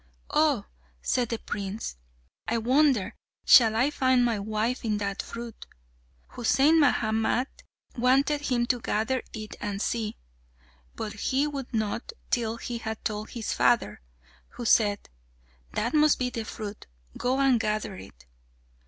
"Oh!" said the Prince, "I wonder shall I find my wife in that fruit." Husain Mahamat wanted him to gather it and see, but he would not till he had told his father, who said, "That must be the fruit; go and gather it."